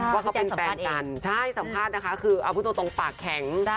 ว่าเขาเป็นแฟนกันใช่สัมภาษณ์นะคะคือเอาพูดตรงปากแข็ง